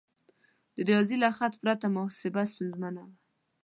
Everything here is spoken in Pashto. د ریاضي له خط پرته محاسبه ستونزمنه وه.